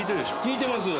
きいてます